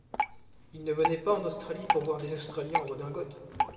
Il ne venait pas en Australie pour voir des Australiens en redingote !